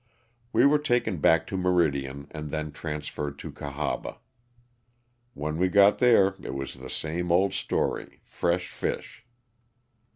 We were taken back to Meridian and then transferred to Cahaba. When we got there it was the same old story, "fresh fish.''